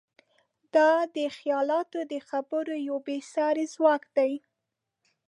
دا د خیالاتو د خبرو یو بېساری ځواک دی.